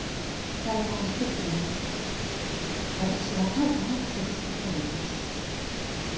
幸い施設でも私は大過なくすごすことができました